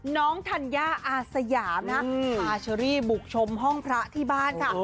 ธัญญาอาสยามนะพาเชอรี่บุกชมห้องพระที่บ้านค่ะ